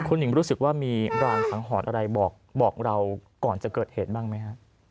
คุณหญิงรู้สึกว่ามีรางสังหรณ์อะไรบอกเราก่อนจะเกิดเหตุบ้างไหมฮะ